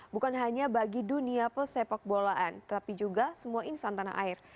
bukan hanya bagi dunia pesepak bolaan tapi juga semua insan tanah air